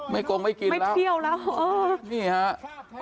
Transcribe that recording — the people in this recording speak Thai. ไม่โกงไม่กินแล้วทุกผู้ชมครับ